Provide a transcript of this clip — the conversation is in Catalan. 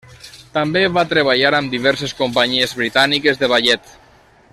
També va treballar amb diverses companyies britàniques de ballet.